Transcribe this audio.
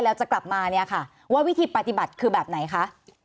แล้วจะกลับมาเนี่ยค่ะว่าวิธีปฏิบัติคือแบบไหนคะ